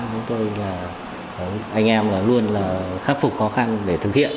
chúng tôi là anh em luôn khắc phục khó khăn để thực hiện